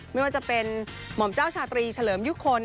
ไม่ว่าจะเป็นหม่อมเจ้าชาตรีเฉลิมยุคล